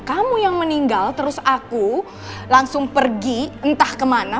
kamu yang meninggal terus aku langsung pergi entah kemana